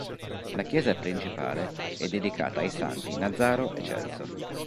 La chiesa principale è dedicata ai santi Nazaro e Celso.